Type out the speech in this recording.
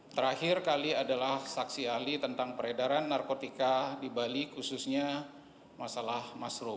terakhir kali adalah saksi ahli tentang peredaran narkotika di bali khususnya masalah masrum